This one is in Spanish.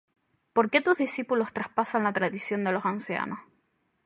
¿Por qué tus discípulos traspasan la tradición de los ancianos?